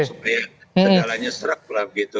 supaya segalanya serak lah begitu